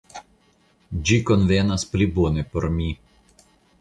Ĝi konvenas pli bone por mi.